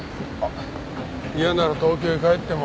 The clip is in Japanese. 嫌なら東京へ帰っても。